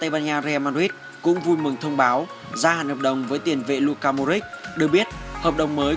và chiến thắng là mục tiêu của tôi